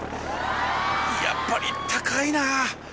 やっぱり高いなぁ。